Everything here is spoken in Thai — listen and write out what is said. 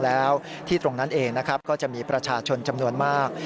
แล้วที่ตรงนั้นเองนะครับก็จะมีประชาชนจำนวนมาก